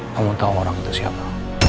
kamu tahu orang itu siapa